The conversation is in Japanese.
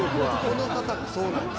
この方がそうなんや。